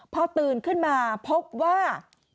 พอตื่นขึ้นมาพบว่า